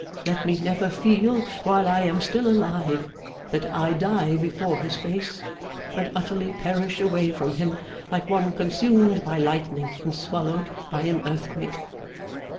Let me never feel, while I am still alive, that I die before his face, and utterly perish away from him, like one consumed by lightning and swallowed by an earthquake.